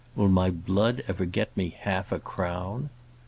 Will my blood ever get me half a crown?"